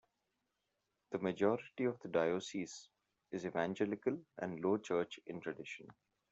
The majority of the diocese is evangelical and low church in tradition.